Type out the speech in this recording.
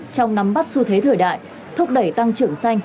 trong nắm bắt xu thế thời đại thúc đẩy tăng trưởng xanh